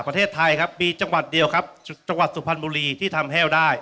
ประเทศไทยครับมีจังหวัดเดียวครับจังหวัดสุพรรณบุรีที่ทำแห้วได้